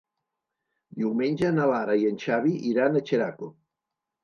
Diumenge na Lara i en Xavi iran a Xeraco.